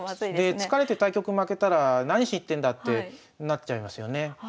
疲れて対局負けたら何しに行ってんだってなっちゃいますよね。